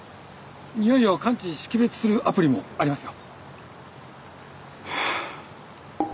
においを感知識別するアプリもありますよ。